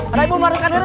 ada yang memarahkan herba